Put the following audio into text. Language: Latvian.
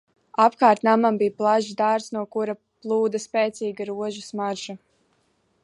Apkārt namam bija plašs dārzs, no kura plūda spēcīga rožu smarža.